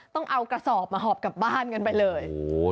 ต้องเอากระสอบมาหอบกลับบ้านกันไปเลย